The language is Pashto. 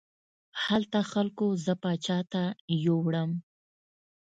هلته خلکو زه پاچا ته یووړم.